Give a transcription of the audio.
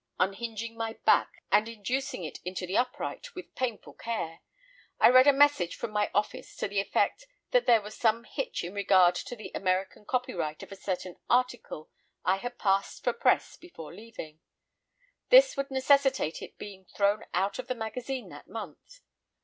Unhinging my back, and inducing it into the upright with painful care, I read a message from my office to the effect that there was some hitch in regard to the American copyright of a certain article I had passed for press before leaving; this would necessitate it being thrown out of the magazine that month.